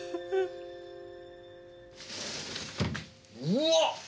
うわっ。